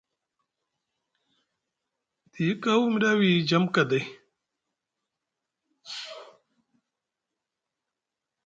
Tiyi kaw mi ɗa wiyi jam kaday.